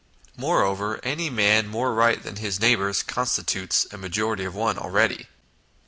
Moreover, any man more right than his neighbours constitutes a majority of one already."